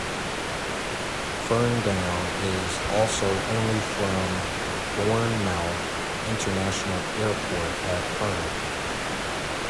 Ferndown is also only from Bournemouth International Airport at Hurn.